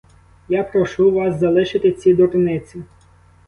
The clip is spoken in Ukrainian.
Я прошу вас залишити ці дурниці!